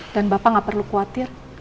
dan bapak gak perlu khawatir